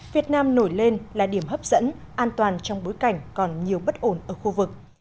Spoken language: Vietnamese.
việt nam nổi lên là điểm hấp dẫn an toàn trong bối cảnh còn nhiều bất ổn ở khu vực